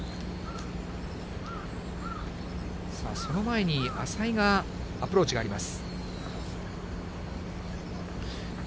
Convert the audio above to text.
さあ、その前に淺井が、アプローチがあります。